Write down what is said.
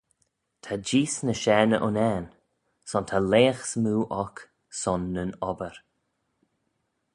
"Ta jees ny share na unnane; son ta leagh smoo oc son nyn obbyr."